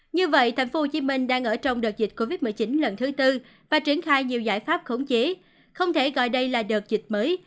như vậy tp hcm đang ở trong đợt dịch covid một mươi chín lần thứ tư và triển khai nhiều giải pháp khống chế không thể gọi đây là đợt dịch mới